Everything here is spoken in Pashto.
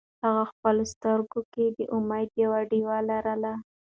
هغه په خپلو سترګو کې د امید یوه ډېوه لرله.